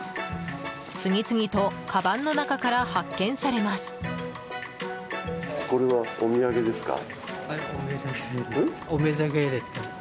次々とかばんの中から発見されます。